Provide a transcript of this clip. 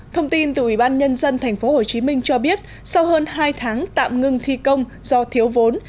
thông tin từ ủy ban nhân dân tp hcm cho biết sau hơn hai tháng tạm ngưng thi công do thiếu vốn